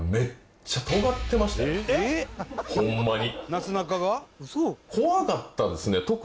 ホンマに。